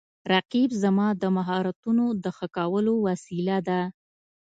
رقیب زما د مهارتونو د ښه کولو وسیله ده